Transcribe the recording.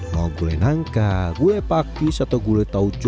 mau gulai nangka gulai pakis atau gulai tauco